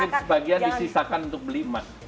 itu sebagian disisakan untuk beli emas